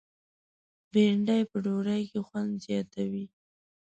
بېنډۍ په ډوډۍ کې خوند زیاتوي